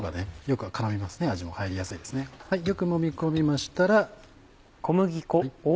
よくもみ込みましたら。